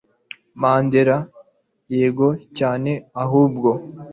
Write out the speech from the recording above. Mandela yego cyane ahubwo